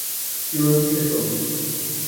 কীভাবে বিশ্বাস করবো?